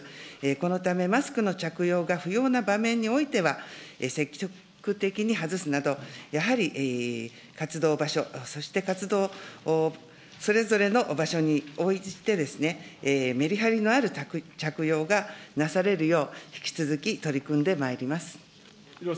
このため、マスクの着用が不要な場面においては、積極的に外すなど、やはり活動場所、そして活動、それぞれの場所において、メリハリのある着用がなされるよう、引き続き取り組んでまいります。